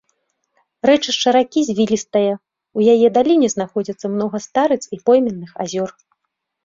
Рэчышча ракі звілістае, у яе даліне знаходзіцца многа старыц і пойменных азёр.